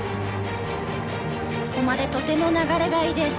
ここまでとても流れがいいです。